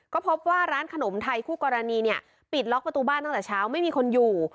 ก็พบว่าร้านขนมไทยคู่กรณีเนี่ยปิดล็อกประตูบ้านตั้งแต่เช้าไม่มีคนอยู่